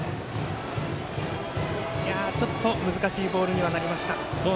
ちょっと難しいボールにはなりました。